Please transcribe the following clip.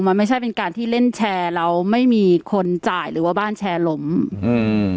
มันไม่ใช่เป็นการที่เล่นแชร์แล้วไม่มีคนจ่ายหรือว่าบ้านแชร์ล้มอืม